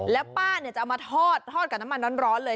แล้วป้าเนี่ยจะเอามาทอดทอดกับน้ำมันน้อนร้อนเลย